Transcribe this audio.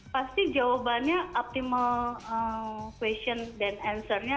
pasti jawabannya optimal question dan encernya